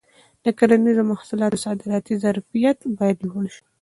د کرنیزو محصولاتو صادراتي ظرفیت باید لوړ شي.